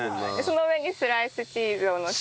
その上にスライスチーズをのせて。